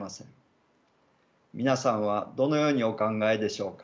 皆さんはどのようにお考えでしょうか？